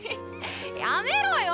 やめろよ！